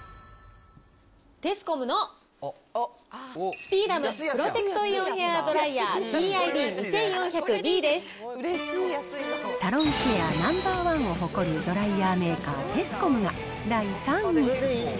テスコムのスピーダムプロテクトイオンヘアードライヤーＴＩサロンシェアナンバー１を誇るドライヤーメーカー、テスコムが、第３位。